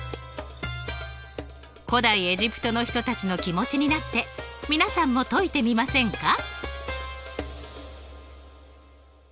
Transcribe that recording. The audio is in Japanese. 古代エジプトの人たちの気持ちになって皆さんも解いてみませんか？